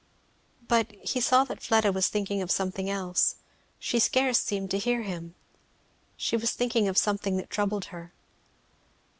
But he saw that Fleda was thinking of something else; she scarce seemed to hear him. She was thinking of something that troubled her.